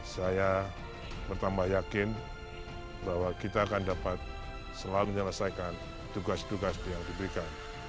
saya bertambah yakin bahwa kita akan dapat selalu menyelesaikan tugas tugas yang diberikan